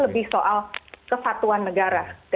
lebih soal kesatuan negara